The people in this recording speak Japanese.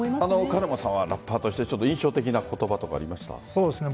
カルマさんはラッパーとして印象的な言葉とかありますか？